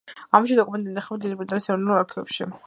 ამჟამად, დოკუმენტები ინახება დიდი ბრიტანეთის ეროვნულ არქივში.